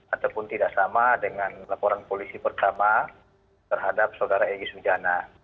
ataupun tidak sama dengan laporan polisi pertama terhadap saudara egy sujana